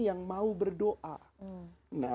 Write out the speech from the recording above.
yang mau berdoa